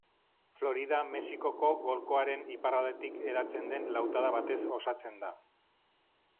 Florida Mexikoko Golkoaren iparraldetik hedatzen den lautada batez osatzen da.